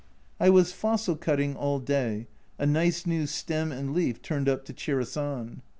I was fossil cutting all day, a nice new stem and leaf turned up to cheer us on.